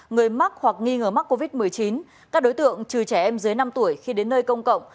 người mắc hoặc nghi ngờ mắc covid một mươi chín các đối tượng trừ trẻ em dưới năm tuổi khi đến nơi công cộng